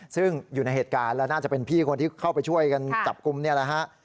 ซึ่งอยู่ในเหตุการณ์และน่าจะเป็นพี่คนที่เข้าไปช่วยกันจับกลุ่มนี่แหละฮะ